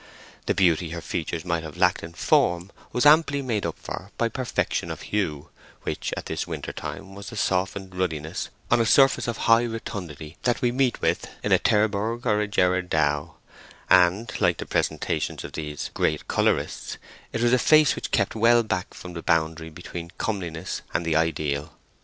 The beauty her features might have lacked in form was amply made up for by perfection of hue, which at this winter time was the softened ruddiness on a surface of high rotundity that we meet with in a Terburg or a Gerard Douw; and, like the presentations of those great colourists, it was a face which kept well back from the boundary between comeliness and the ideal.